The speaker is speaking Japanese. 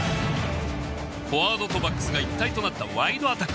フォワードとバックスが一体となったワイドアタック。